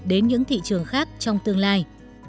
đến những thị trường khác trong tương lai